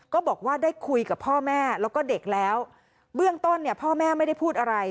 ก็บอกว่าได้คุยกับพ่อแม่แล้วก็เด็กแล้วเบื้องต้นเนี่ยพ่อแม่ไม่ได้พูดอะไร